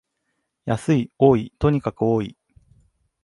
安い、多い、とにかく多い